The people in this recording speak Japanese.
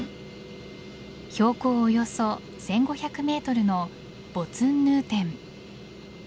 標高およそ１５００メートルのボツンヌーテン。